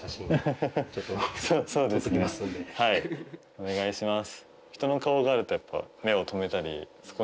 お願いします。